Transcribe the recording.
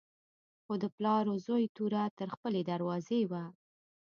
خو د پلار و زوی توره تر خپلې دروازې وه.